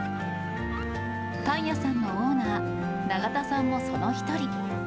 パン屋さんのオーナー、永田さんもその一人。